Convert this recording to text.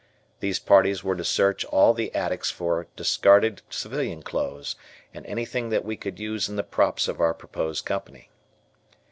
These parties were to search all the attics for discarded civilian clothes, and anything that we could use in the props of our proposed Company.